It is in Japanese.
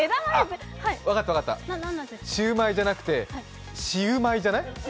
シューマイじゃなくて、シウマイじゃない？